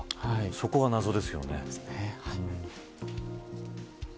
そこが謎ですよね。